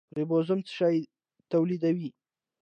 رایبوزوم څه شی تولیدوي؟